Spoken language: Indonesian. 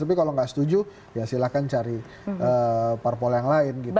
tapi kalau nggak setuju ya silahkan cari parpol yang lain gitu